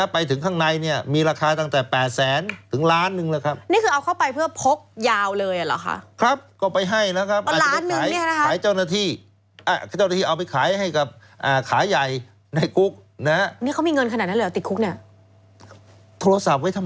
ไปถึงข้างในเนี่ยมีราคาตั้งแต่แปดแสนถึงล้านหนึ่งแหละครับ